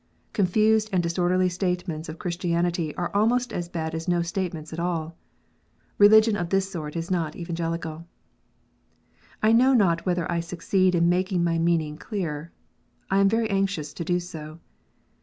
Confused and disorderly statements of Christianity are almost as bad as no statement at all ! Religion of this sort is not Evangelical. I know not whether I succeed in making my meaning clear. I am very anxious to do so.